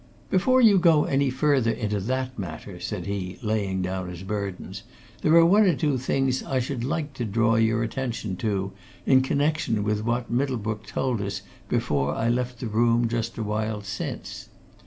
"Before you go any further into that matter," said he, laying down his burdens, "there are one or two things I should like to draw your attention to in connection with what Middlebrook told us before I left the room just a while since.